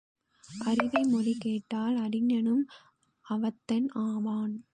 அரிவை மொழி கேட்டால் அறிஞனும் அவத்தன் ஆவான்.